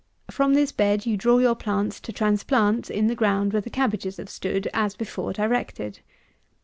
From this bed you draw your plants to transplant in the ground where the cabbages have stood, as before directed.